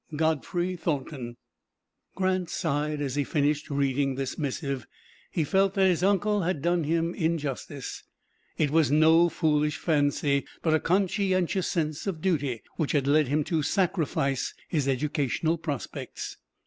GODFREY THORNTON." Grant sighed as he finished reading this missive. He felt that his uncle had done him injustice. It was no foolish fancy, but a conscientious sense of duty, which had led him to sacrifice his educational prospects.